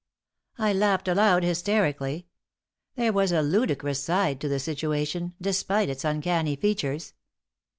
I laughed aloud hysterically. There was a ludicrous side to the situation, despite its uncanny features.